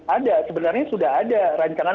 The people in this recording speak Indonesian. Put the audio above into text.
ada sebenarnya sudah ada rancangan